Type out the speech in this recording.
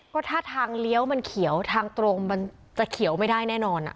ก็ถ้าทางเลี้ยวมันเขียวทางตรงมันจะเขียวไม่ได้แน่นอน